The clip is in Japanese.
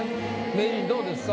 名人どうですか？